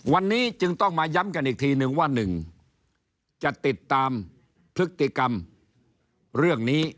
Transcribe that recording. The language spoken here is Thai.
วันนี้จึงต้องมาย้ำกันอีกทีนึงว่า๑จะติดตามพฤติกรรมเรื่องนี้